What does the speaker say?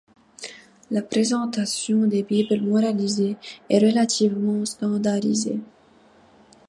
La présentation des bibles moralisée est relativement standardisée.